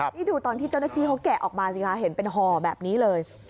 นี่ดูตอนที่เจ้าหน้าที่เขาแกะออกมาสิคะเห็นเป็นห่อแบบนี้เลย